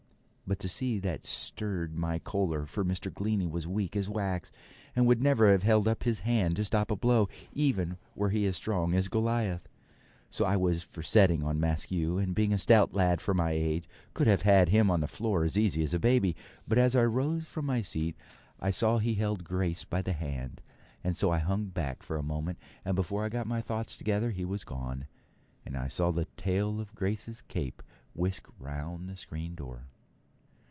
But to see that stirred my choler, for Mr. Glennie was weak as wax, and would never have held up his hand to stop a blow, even were he strong as Goliath. So I was for setting on Maskew, and being a stout lad for my age, could have had him on the floor as easy as a baby; but as I rose from my seat, I saw he held Grace by the hand, and so hung back for a moment, and before I got my thoughts together he was gone, and I saw the tail of Grace's cape whisk round the screen door.